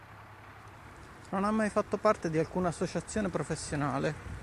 Non ha mai fatto parte di alcuna associazione professionale.